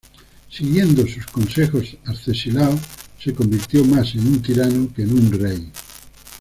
Siguiendo sus consejos, Arcesilao se convirtió más en un tirano que en un rey.